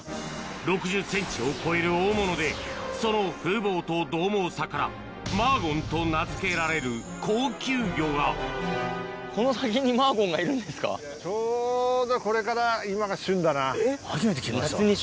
６０ｃｍを超える大物でその風貌とどう猛さからマーゴンと名付けられる高級魚が初めて聞きました。